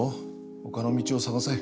ほかの道を探せ。